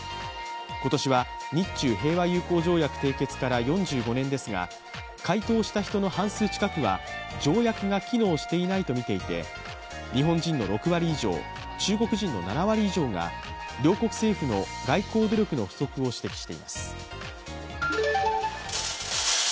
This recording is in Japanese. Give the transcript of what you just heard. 今年は日中平和友好条約締結から４５年ですが、回答した人の半数近くは条約が機能していないとみていて日本人の６割以上、中国人の７割以上が両国政府の外交努力の不足を指摘しています。